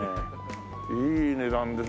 いい値段です。